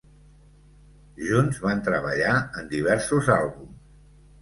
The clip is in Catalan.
Junts van treballar en diversos àlbums.